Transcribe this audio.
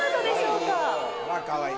かわいい。